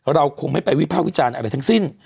เราคงไม่ไปวิภาควิจารณ์อะไรทั้งสิ้น